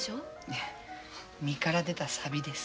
ええ身から出たさびです。